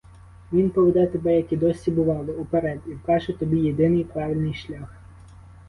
Він поведе тебе, як і досі бувало, уперед, і вкаже тобі єдиний правильний шлях.